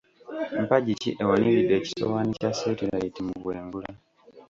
Mpagi ki ewaniridde ekisowani kya ssetirayiti mu bwengula?